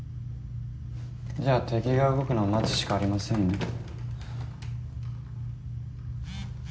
じゃあ敵が動くのを待つしかありませんね